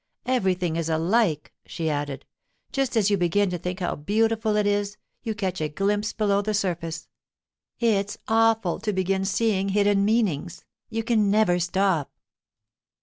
Everything is alike!' she added. 'Just as you begin to think how beautiful it is, you catch a glimpse below the surface. It's awful to begin seeing hidden meanings; you can never stop.